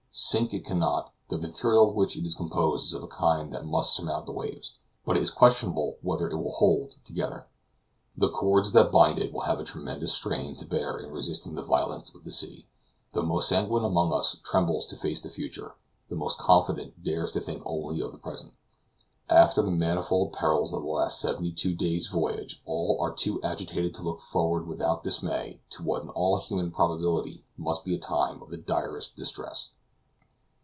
Sink it cannot; the material of which it is composed is of a kind that must surmount the waves. But it is questionable whether it will hold together. The cords that bind it will have a tremendous strain to bear in resisting the violence of the sea. The most sanguine among us trembles to face the future; the most confident dares to think only of the present. After the manifold perils of the last seventy two days' voyage all are too agitated to look forward without dismay to what in all human probability must be a time of the direst distress.